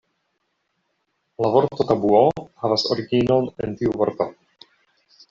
La vorto tabuo havas originon en tiu vorto.